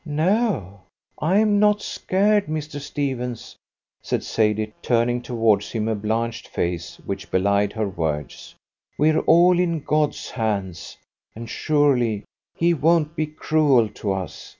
"No, I am not scared, Mr. Stephens," said Sadie, turning towards him a blanched face which belied her words. "We're all in God's hands, and surely He won't be cruel to us.